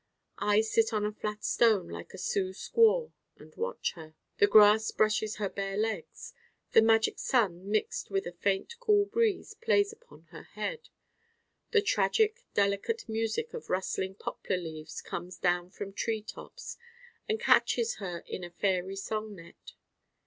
I sit on a flat stone like a Sioux squaw and watch her. The grass brushes her bare legs: the magic sun mixed with a faint cool breeze plays upon her head: the tragic delicate music of rustling poplar leaves comes down from tree tops and catches her in a fairy song net.